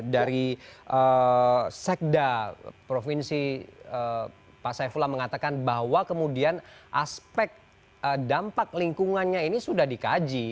dari sekda provinsi pak saifullah mengatakan bahwa kemudian aspek dampak lingkungannya ini sudah dikaji